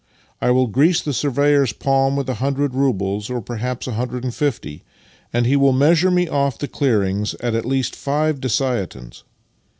I will grease the surveyor's palm with a hundred roubles, or perhaps a hundred and fifty, and he will measure me off the clearings at at least five dessiatins.